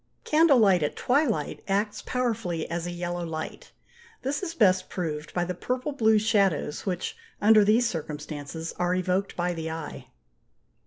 Candle light at twilight acts powerfully as a yellow light: this is best proved by the purple blue shadows which, under these circumstances, are evoked by the eye.